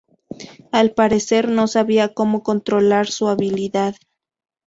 Al parecer, no sabía como controlar su habilidad.